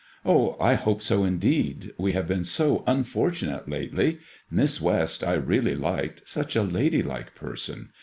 " Oh, I hope so indeed ; wa have been so unfortuoate lately. Miss West I really liked ; such a ladylike person.